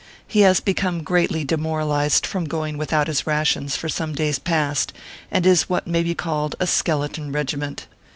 He has become greatly demoralized from going without his rations for some days past, and is what may be called a skeleton regiment.